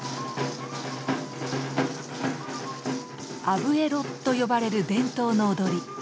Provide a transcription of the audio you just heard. アブエロと呼ばれる伝統の踊り。